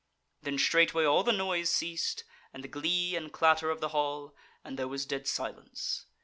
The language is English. Then straightway all the noise ceased, and the glee and clatter of the hall, and there was dead silence.